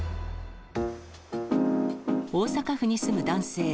大阪府に住む男性。